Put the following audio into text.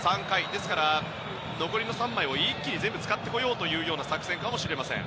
ですから残り３枚を一気に全部使ってこようという作戦かもしれません